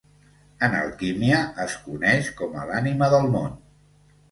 En alquímia, es coneix com a l'Ànima del Món.